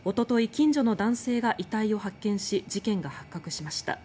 近所の男性が遺体を発見し事件が発覚しました。